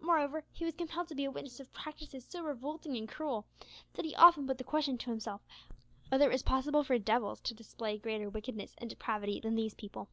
Moreover, he was compelled to be a witness of practices so revolting and cruel, that he often put the question to himself whether it was possible for devils to display greater wickedness and depravity than these people.